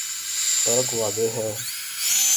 فرق واضح ہے۔